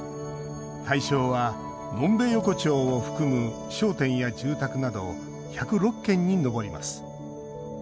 対象は呑んべ横丁を含む商店や住宅など１０６軒に上ります。